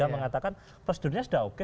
mengatakan prosedurnya sudah oke